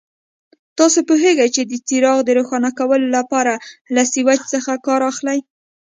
تاسو پوهېږئ چې د څراغ د روښانه کولو لپاره له سویچ څخه کار اخلي.